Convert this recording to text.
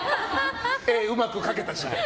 絵がうまくかけたし。